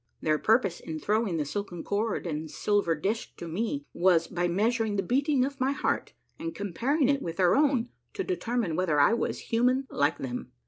Their purpose in ihrowing the silken cord and silver disk to me was by measur ing the beating of my heart and comparing it with their own to determine whether I was liuman like them.